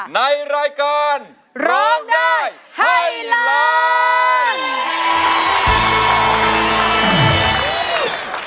ในรายการร้องได้ให้ล้าน